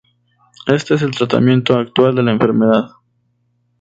Éste es el tratamiento actual de la enfermedad.